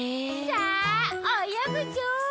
さあおよぐぞ！